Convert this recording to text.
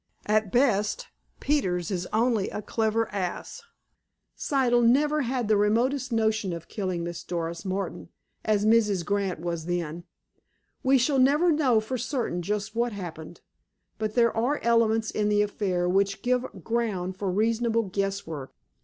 "At best, Peters is only a clever ass. Siddle never had the remotest notion of killing Miss Doris Martin, as Mrs. Grant was then. We shall never know for certain just what happened, but there are elements in the affair which give ground for reasonable guesswork.